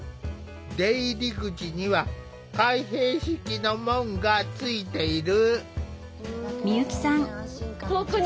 出入り口には開閉式の門がついている。